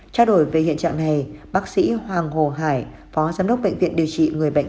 trao đổi về hiện trạng này bác sĩ hoàng hồ hải phó giám đốc bệnh viện điều trị người bệnh